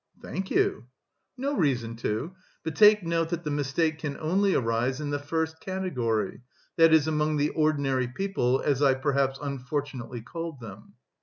"Thank you." "No reason to; but take note that the mistake can only arise in the first category, that is among the ordinary people (as I perhaps unfortunately called them).